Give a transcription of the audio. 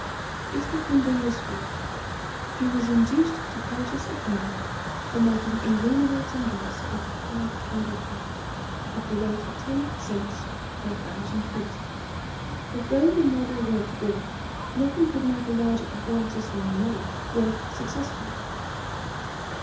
It happened in this way: He was induced to purchase a patent for making illuminating gas of a high candle power, at the rate of ten cents per thousand feet. But though the model worked well, nothing could make a larger apparatus than the model work successfully.